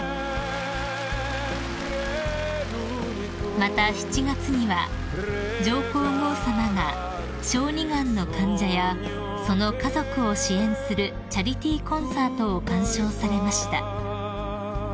［また７月には上皇后さまが小児がんの患者やその家族を支援するチャリティーコンサートを鑑賞されました］